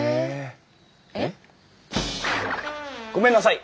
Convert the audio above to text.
えっ？ごめんなさい！